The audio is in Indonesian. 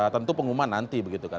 tentu pengumuman nanti begitu kan